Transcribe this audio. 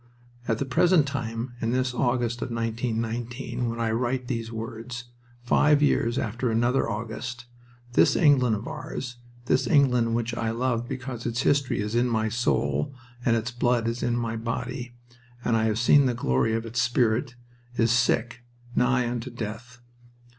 At the present time, in this August of 1919, when I write these words, five years after another August, this England of ours, this England which I love because its history is in my soul and its blood is in my body, and I have seen the glory of its spirit, is sick, nigh unto death.